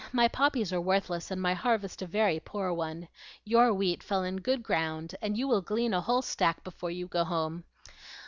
My poppies are worthless, and my harvest a very poor one. Your wheat fell in good ground, and you will glean a whole stack before you go home.